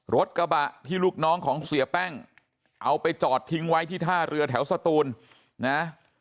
รถกระบะที่ลูกน้องของเสียแป้งเอาไปจอดทิ้งไว้ที่ท่าเรือแถวสตูนนะ